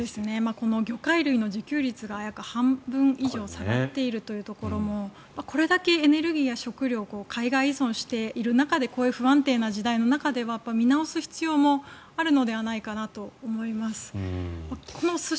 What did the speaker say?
この魚介類の自給率が半分以上下がっているということもこれだけエネルギーや食料を海外依存している中でこういう不安定な時代の中では見直す必要があるのではないかと思います。